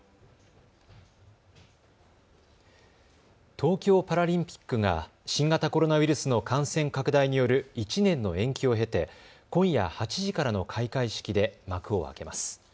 東京パラリンピックが新型コロナウイルスの感染拡大による１年の延期を経て今夜８時からの開会式で幕を開けます。